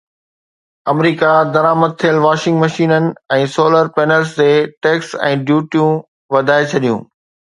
آمريڪا درآمد ٿيل واشنگ مشينن ۽ سولر پينلز تي ٽيڪس ۽ ڊيوٽيون وڌائي ڇڏيون